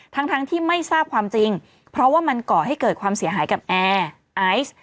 ทั้งที่ไม่ทราบความจริงเพราะว่ามันก่อให้เกิดความเสียหายกับแอร์ไอซ์